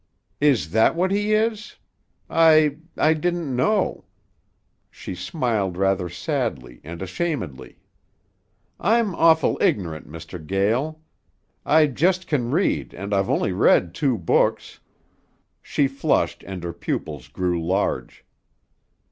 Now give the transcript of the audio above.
"Is that what he is? I I didn't know." She smiled rather sadly and ashamedly. "I'm awful ignorant, Mr. Gael. I just can read an' I've only read two books." She flushed and her pupils grew large.